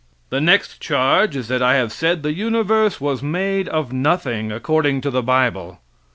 The next charge is that I have said the universe was made of nothing, according to the bible.